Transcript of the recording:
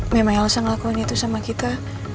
memang elsa ngelakuin itu sama kita